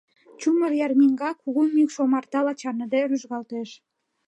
Чумыр ярмиҥга кугу мӱкш омартала чарныде рӱжгалтеш.